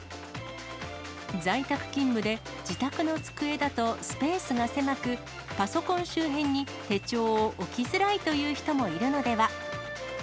在宅勤務で自宅の机だとスペースが狭く、パソコン周辺に手帳を置きづらいという人もいるのでは。